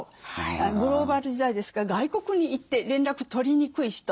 グローバル時代ですから外国に行って連絡取りにくい人。